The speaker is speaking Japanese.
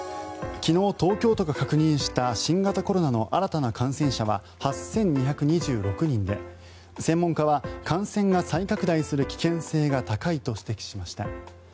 昨日、東京都が確認した新型コロナの新たな感染者は８２２６人で専門家は感染が再拡大する危険性が高いと指摘しました。